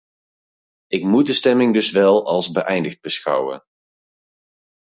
Ik moet de stemming dus wel als beëindigd beschouwen.